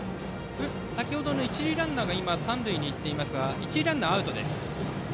先程の一塁ランナーが三塁に行っていましたが一塁ランナーはアウトです。